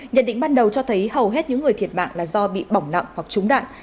nhận định ban đầu cho thấy hầu hết những người thiệt mạng là do bị bỏng nặng hoặc trúng đạn